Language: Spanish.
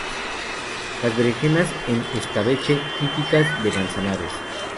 Las berenjenas en escabeche, típicas de Manzanares.